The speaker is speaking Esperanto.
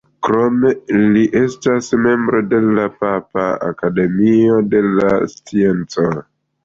Krome li estas membro de la Papa Akademio de la sciencoj.